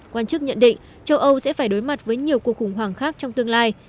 quan chức nhận định châu âu sẽ phải đối mặt với nhiều cuộc khủng hoảng khác trong tương lai